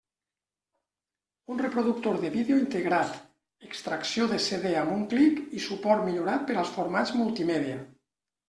Un reproductor de vídeo integrat, extracció de CD amb un clic i suport millorat per als formats multimèdia.